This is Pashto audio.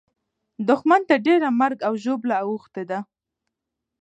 دښمن ته ډېره مرګ او ژوبله اوښتې ده.